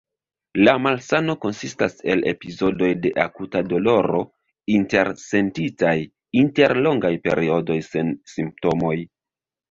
La malsano konsistas el epizodoj de akuta doloro intersentitaj inter longaj periodoj sen simptomoj.